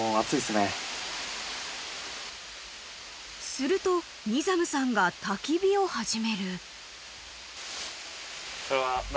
［するとニザムさんがたき火を始める］